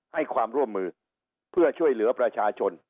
ให้ความร่วมมือเพื่อช่วยเหลือประชาชน